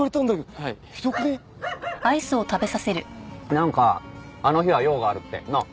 なんかあの日は用があるって。なあ？